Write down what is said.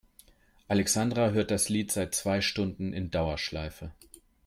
Alexandra hört das Lied seit zwei Stunden in Dauerschleife.